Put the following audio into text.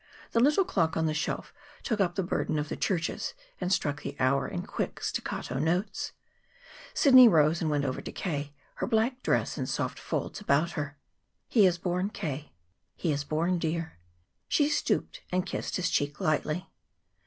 The little clock on the shelf took up the burden of the churches, and struck the hour in quick staccato notes. Sidney rose and went over to K., her black dress in soft folds about her. "He is born, K." "He is born, dear." She stooped and kissed his cheek lightly.